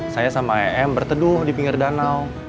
saya sama em berteduh di pinggir danau